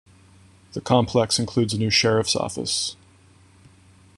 The complex includes a new sheriff's office.